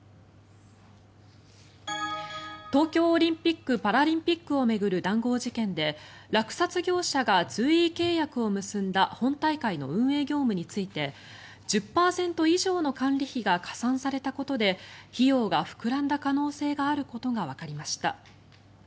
東京オリンピック・パラリンピックを巡る談合事件で落札業者が随意契約を結んだ本大会の運営業務について１０％以上の管理費が加算されたことで費用が膨らんだ可能性があることがわかりました。